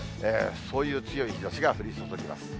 そういう強い日ざしが降り注ぎます。